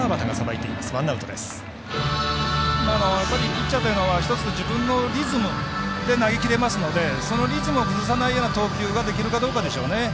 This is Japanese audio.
ピッチャーというのは１つ、自分のリズムで投げ切れますのでそのリズムを崩さないような投球ができるかどうかでしょうね。